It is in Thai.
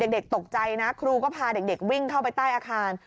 เด็กตกใจนะครูก็พาเด็กวิ่งเข้าไปใต้อาคาร